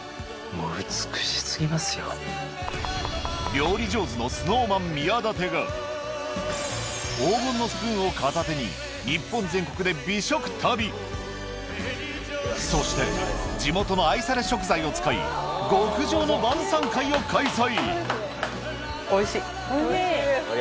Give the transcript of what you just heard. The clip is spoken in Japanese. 料理上手のＳｎｏｗＭａｎ宮舘が黄金のスプーンを片手に日本全国で美食旅そして地元の愛され食材を使い極上の晩餐会を開催